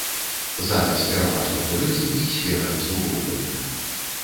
Зараз пераважна турызм і сферы абслугоўвання.